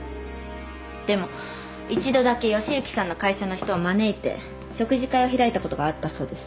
でも一度だけ義之さんの会社の人を招いて食事会を開いたことがあったそうです。